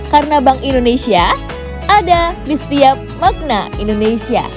karena bank indonesia ada di setiap makna indonesia